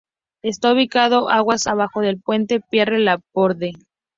Está ubicado aguas abajo del puente Pierre Laporte.